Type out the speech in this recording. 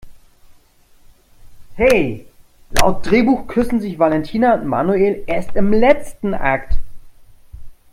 He, laut Drehbuch küssen sich Valentina und Manuel erst im letzten Akt!